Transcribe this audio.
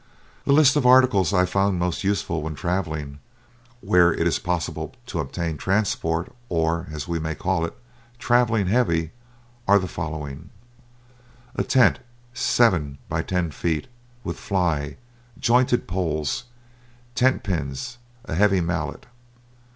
The list of articles I find most useful when travelling where it is possible to obtain transport, or, as we may call it, travelling heavy, are the following: A tent, seven by ten feet, with fly, jointed poles, tent pins, a heavy mallet.